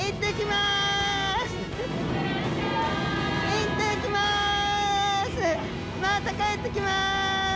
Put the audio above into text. また帰ってきます！